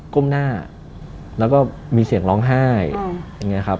ก้มหน้าแล้วก็มีเสียงร้องไห้อย่างนี้ครับ